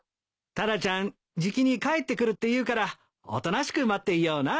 タラちゃんじきに帰ってくるっていうからおとなしく待っていような。